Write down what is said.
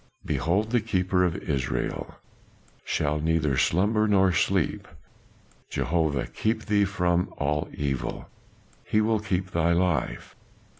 Behold, the Keeper of Israel Shall neither slumber nor sleep. Jehovah keep thee from all evil! He will keep thy life.